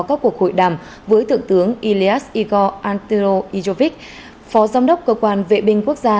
các cuộc hội đàm với thượng tướng ilias igor antiro ijovich phó giám đốc cơ quan vệ binh quốc gia